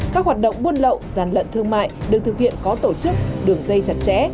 các hoạt động buôn lậu gian lận thương mại được thực hiện có tổ chức đường dây chặt chẽ